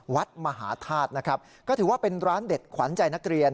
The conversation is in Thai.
วัดมหาธาตุนะครับก็ถือว่าเป็นร้านเด็ดขวัญใจนักเรียน